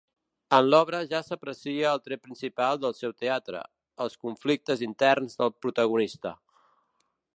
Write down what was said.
En l'obra ja s'aprecia el tret principal del seu teatre: els conflictes interns del protagonista.